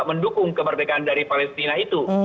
mendukung kemerdekaan dari palestina itu